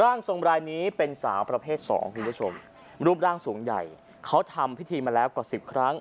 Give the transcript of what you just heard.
ทรงรายนี้เป็นสาวประเภทสองคุณผู้ชมรูปร่างสูงใหญ่เขาทำพิธีมาแล้วกว่าสิบครั้ง